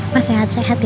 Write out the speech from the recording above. bapak sehat sehat ya